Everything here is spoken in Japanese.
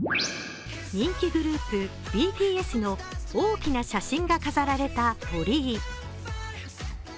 人気グループ、ＢＴＳの大きな写真が飾られた鳥居。